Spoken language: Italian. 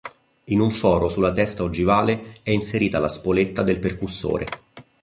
In un foro sulla testa ogivale è inserita la spoletta del percussore.